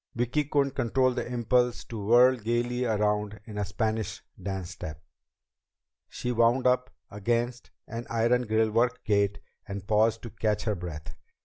Vicki couldn't control the impulse to whirl gaily around in a Spanish dance step. She wound up against an iron grillwork gate and paused to catch her breath.